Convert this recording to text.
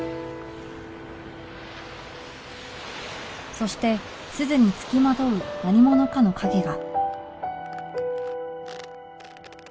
そして鈴につきまとう何者かの影が